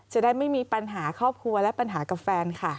จะได้ไม่มีปัญหาครอบครัวและปัญหากับแฟนค่ะ